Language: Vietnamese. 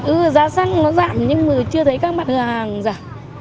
ư giá xăng nó giảm nhưng mà chưa thấy các mặt hàng giảm